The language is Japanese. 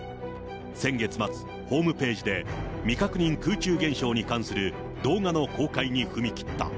先月末、ホームページで未確認空中現象に関する動画の公開に踏み切った。